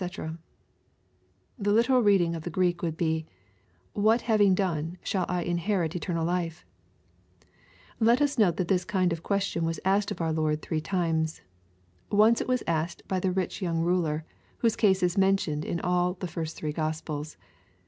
'\ The literal rendering of the Greek would be, " What having done, shall I inherit eternal life ?" Let us note that this kind of question was asked of our Lord tliree times. Once it was asked by the rich young ruler, whose case is mentioned in all the first three Gospels.